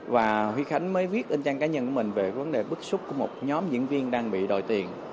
và huy khánh mới viết in trang cá nhân của mình về vấn đề bức xúc của một nhóm diễn viên đang bị đòi tiền